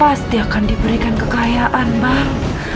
pasti akan diberikan kekayaan bang